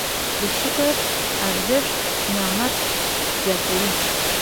د شکر ارزښت نعمت زیاتوي.